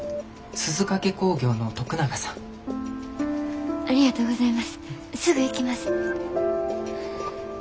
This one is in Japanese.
すぐ行きます。